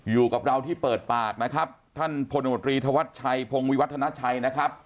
อยู่กับเราที่เปิดปากนะครับท่านพลโนตรีธวัชชัยพงวิวัฒนาชัยนะครับ